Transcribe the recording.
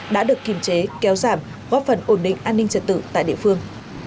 đã được kiềm chế kéo giảm góp phần ổn định an ninh trật tự tại địa phương